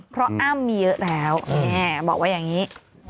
เพราะอ้ำมีเยอะแล้วบอกว่าอย่างนี้